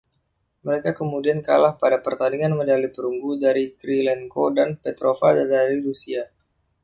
Mereka kemudian kalah pada pertandingan medali perunggu dari Kirilenko dan Petrova dari Rusia.